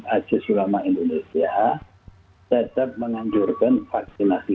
ajez ulama indonesia tetap menanjurkan vaksinasi